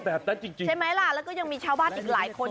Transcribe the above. แบบนั้นจริงใช่ไหมล่ะแล้วก็ยังมีชาวบ้านอีกหลายคน